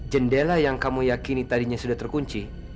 jendela yang kamu yakini tadinya sudah terkunci